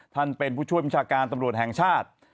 ท่านเป็นผู้ช่วยประชาการตำรวจแห่งชาติ